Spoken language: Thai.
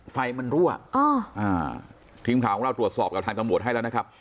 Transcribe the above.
ไฟมันรั่วทีมข่าวของเราตรวจสอบกับทางตำรวจให้แล้วนะครับ